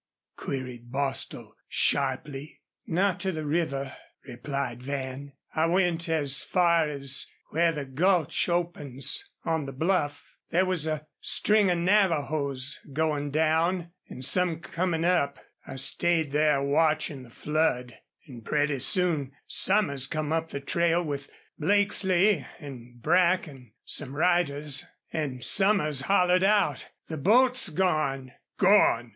queried Bostil, sharply. "Not to the river," replied Van. "I went as far as where the gulch opens on the bluff. There was a string of Navajos goin' down. An' some comin' up. I stayed there watchin' the flood, an' pretty soon Somers come up the trail with Blakesley an' Brack an' some riders.... An' Somers hollered out, 'The boat's gone!'" "Gone!"